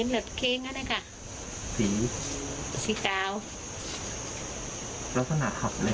ลักษณะขับเร็วนี่กลับเร็วมากลับเร็วฮือ